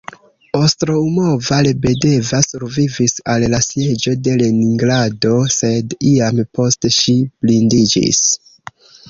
Ostroumova-Lebedeva survivis al la Sieĝo de Leningrado, sed iam poste ŝi blindiĝis.